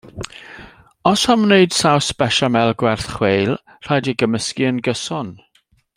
Os am wneud saws béchamel gwerth chweil, rhaid ei gymysgu yn gyson.